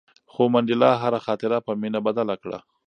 خو منډېلا هره خاطره په مینه بدله کړه.